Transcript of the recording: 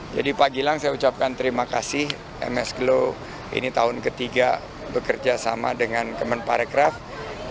jadi pagi lang saya ucapkan terima kasih ms glow ini tahun ketiga bekerjasama dengan kementerian parwisata